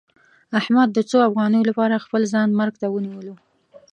احمد د څو افغانیو لپاره خپل ځان مرګ ته ونیولو.